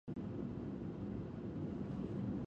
مور ماشومانو ته اوبه جوشوي.